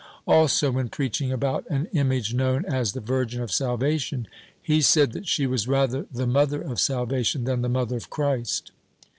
Also, when preaching about an image known as the Virgin of Salvation, he said that she was rather the Mother of Salvation than the Mother of Christ.